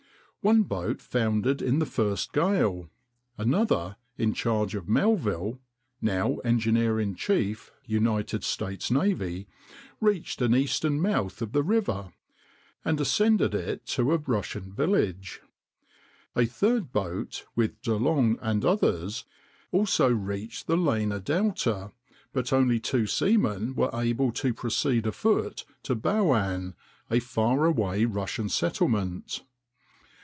One boat foundered in the first gale. Another, in charge of Melville (now engineer in chief, U. S. N.), reached an eastern mouth of the river and ascended it to a Russian village. A third boat, with De Long and others, also reached the Lena delta, but only two seamen were able to proceed afoot to Bulun, a far away Russian settlement.